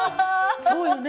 そうよね。